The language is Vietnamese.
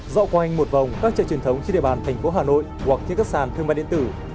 dọa quanh một vòng các chợ truyền thống trên địa bàn thành phố hà nội hoặc các khách sạn thương mại điện tử